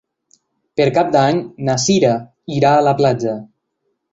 Per Cap d'Any na Sira irà a la platja.